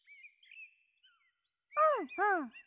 うんうん。